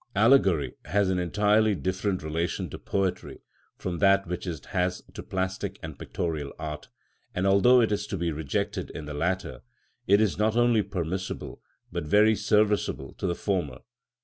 Allegory has an entirely different relation to poetry from that which it has to plastic and pictorial art, and although it is to be rejected in the latter, it is not only permissible, but very serviceable to the former.